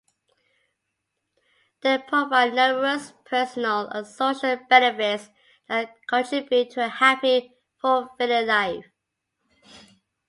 They provide numerous personal and social benefits that contribute to a happy, fulfilling life.